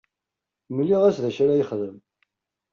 Mliɣ-as d acu ara yexdem.